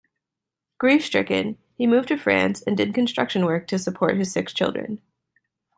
Grief-stricken, he moved to France and did construction work to support his six children.